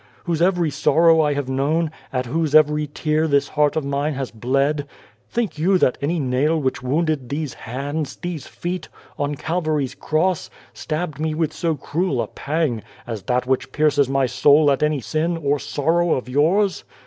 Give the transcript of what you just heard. whose every sorrow I have known, at whose every tear this heart of mine has bled think you that any nail which wounded these hands, these feet, on Calvary's Cross, stabbed Me with so cruel a pang, as that which pierces My soul at any sin or sorrow of yours